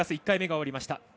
１回目が終わりました。